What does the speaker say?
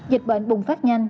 dịch bệnh bùng phát nhanh